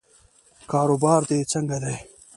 کاروبار دې څنګه دی؟